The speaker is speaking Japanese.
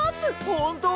ほんと？